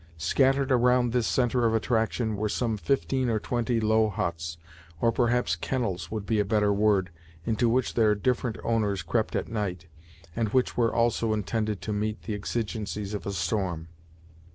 Scattered around this centre of attraction, were some fifteen or twenty low huts, or perhaps kennels would be a better word, into which their different owners crept at night, and which were also intended to meet the exigencies of a storm.